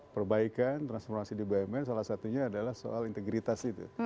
perbaikan transformasi di bumn salah satunya adalah soal integritas itu